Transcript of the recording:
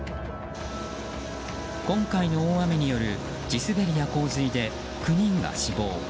今回の大雨による地滑りや洪水で９人が死亡。